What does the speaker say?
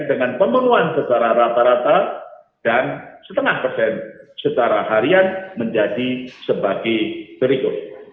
dengan pemenuhan secara rata rata dan setengah persen secara harian menjadi sebagai berikut